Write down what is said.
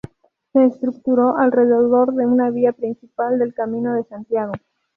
Se estructuró alrededor de una vía principal del Camino de Santiago.